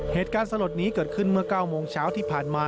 สลดนี้เกิดขึ้นเมื่อ๙โมงเช้าที่ผ่านมา